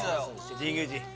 神宮寺